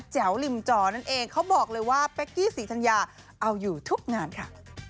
แจ๋วลิมจ่อนั่นเองเขาบอกเลยว่าเอาอยู่ทุกงานค่ะ